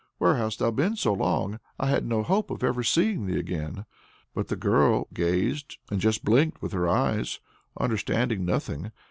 where hast thou been so long? I had no hope of ever seeing thee again." But the girl gazed and just blinked with her eyes, understanding nothing.